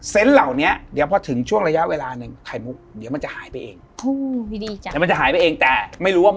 เซนต์เหล่านี้เดี๋ยวพอถึงช่วงระยะเวลาในถ่ายมุก